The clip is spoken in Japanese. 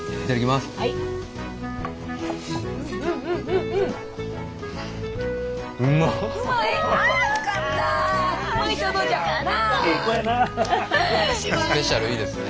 スペシャルいいですね。